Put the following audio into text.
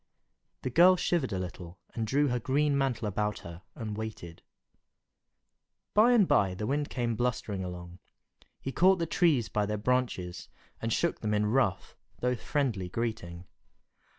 The girl shivered a little, and drew her green mantle about her and waited. By and by the Wind came blustering along. He caught the trees by their branches, and shook them in rough, though friendly greeting.